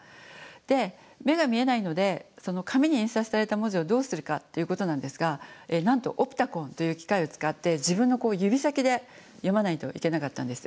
で目が見えないのでその紙に印刷された文字をどうするかということなんですがなんとオプタコンという機械を使って自分の指先で読まないといけなかったんです。